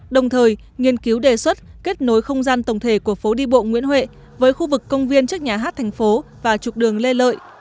đồng thời nghiên cứu đề xuất kết nối không gian tổng thể của phố đi bộ nguyễn huệ với khu vực công viên trước nhà hát thành phố và trục đường lê lợi